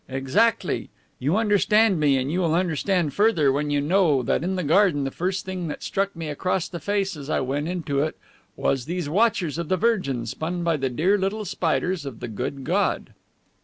"Exactly. You understand me and you will understand further when you know that in the garden the first thing that struck me across the face as I went into it was these watchers of the Virgin spun by the dear little spiders of the good God.